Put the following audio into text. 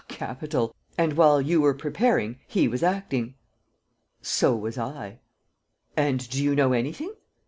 "Ah, capital! And, while you were preparing, he was acting." "So was I." "And do you know anything?"